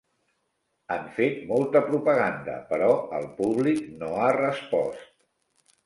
Han fet molta propaganda, però el públic no ha respost.